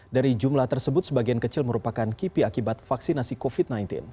dari jumlah tersebut sebagian kecil merupakan kipi akibat vaksinasi covid sembilan belas